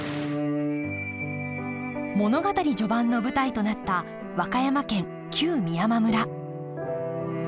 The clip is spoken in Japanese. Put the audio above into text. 物語序盤の舞台となった和歌山県旧美山村。